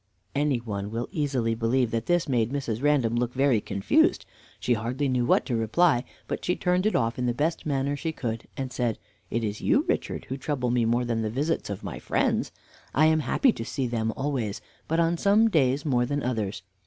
Any one will easily believe that this made Mrs. Random look very confused. She hardly knew what to reply, but she turned it off in the best manner she could, and said: "It is you, Richard, who trouble me more than the visits of my friends. I am happy to see them always, but on some days more than others.